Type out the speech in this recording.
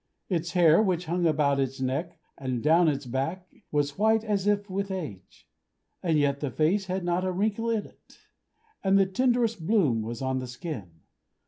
Its hair, which hung about its neck and down its back, was white as if with age; and yet the face had not a wrinkle in it, and the tenderest bloom was on the skin.